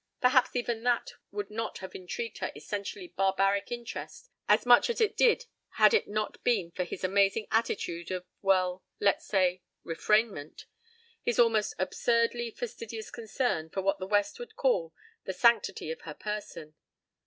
—Perhaps even that would not have intrigued her essentially barbaric interest as much as it did had it not been for his amazing attitude of, well, let's say, "refrainment." His almost absurdly fastidious concern for what the West would call "the sanctity of her person."